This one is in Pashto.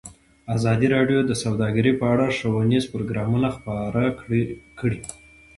ازادي راډیو د سوداګري په اړه ښوونیز پروګرامونه خپاره کړي.